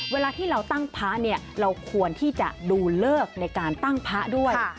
เวลาที่เราตั้งพระเนี่ยเราควรที่จะดูเลิกในการตั้งพระด้วย